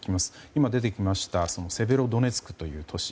今出てきましたセベロドネツクという都市。